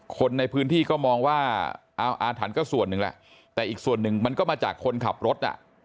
คนในพื้นที่ก็มองว่าเอาอาถรรพ์ก็ส่วนหนึ่งแหละแต่อีกส่วนหนึ่งมันก็มาจากคนขับรถอ่ะ